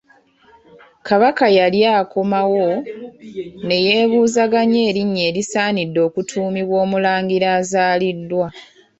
Kabaka yali akomawo, ne yeebuuzaganya erinnya erisaanidde okutuumibwa Omulangira azaaliddwa.